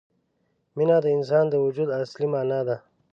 مینه د انسان د وجود اصلي معنا ده.